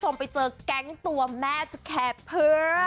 ผมไปเจอแก๊งตัวแม่จะแค่เพิ่ม